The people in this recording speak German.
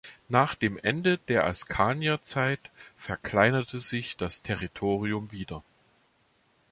Nach dem Ende der Askanier-Zeit verkleinerte sich das Territorium wieder.